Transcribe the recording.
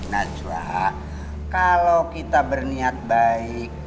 najwa kalau kita berniat baik